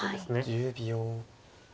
１０秒。